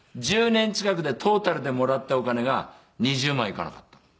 １０年近くでトータルでもらったお金が２０万いかなかった。